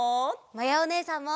まやおねえさんも！